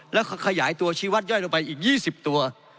แล้วขยายตัวชีวัตย่อยลงไปอีก๒๐ตัว